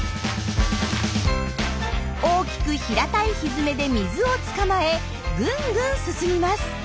大きく平たいひづめで水をつかまえぐんぐん進みます。